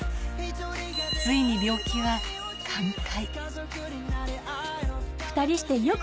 ついに病気は寛解。